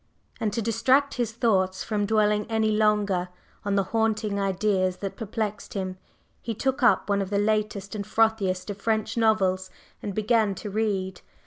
And to distract his thoughts from dwelling any longer on the haunting ideas that perplexed him, he took up one of the latest and frothiest of French novels and began to read.